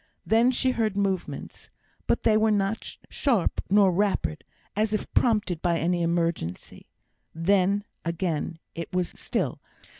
Then she heard movements, but they were not sharp or rapid, as if prompted by any emergency; then, again, it was still.